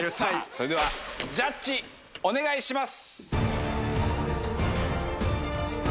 それではジャッジお願いします。